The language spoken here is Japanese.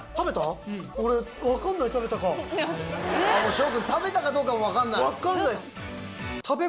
紫耀君食べたかどうかも分かんない。